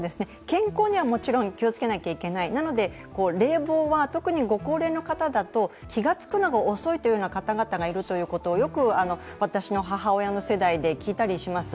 健康にはもちろん気をつけなきゃいけないなので冷房は、特にご高齢の方だと気がつくのが遅い方がいるとよく私の母親の世代で聞いたりします。